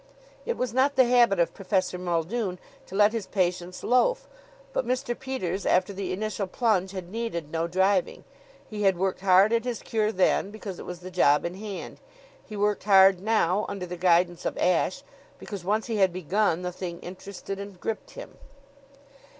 It was not the habit of Professor Muldoon to let his patients loaf; but Mr. Peters, after the initial plunge, had needed no driving. He had worked hard at his cure then, because it was the job in hand. He worked hard now, under the guidance of Ashe, because, once he had begun, the thing interested and gripped him.